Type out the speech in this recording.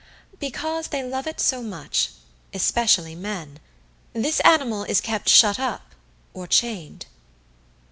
"Because they love it so much especially men. This animal is kept shut up, or chained."